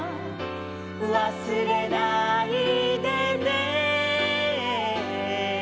「わすれないでね」